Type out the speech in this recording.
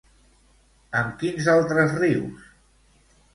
Amb quins altres rius?